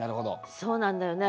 そうなんだよね